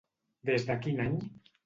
Des de quin any?